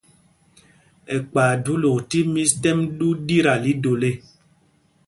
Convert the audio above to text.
Ɛkpay júlûk tí mís t́ɛ́m ɗū ɗí ta lii dol ê.